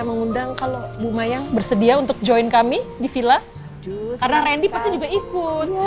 mengundang kalau bu mayang bersedia untuk join kami di villa karena randy pasti juga ikut